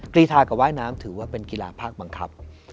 กรีธากับว่ายน้ำถือว่าเป็นกีฬาภาคบังคับ